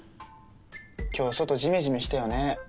今日外ジメジメしたよね。